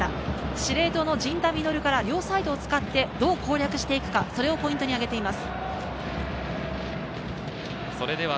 司令塔の陣田成琉から両サイド使って、どう攻略していくか、それをポイントに挙げています。